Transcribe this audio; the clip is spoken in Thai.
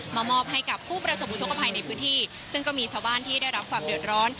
มอบให้กับผู้ประสบอุทธกภัยในพื้นที่ซึ่งก็มีชาวบ้านที่ได้รับความเดือดร้อน